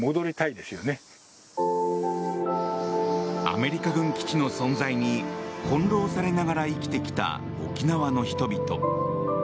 アメリカ軍基地の存在に翻弄されながら生きてきた沖縄の人々。